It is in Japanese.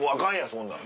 そんなん。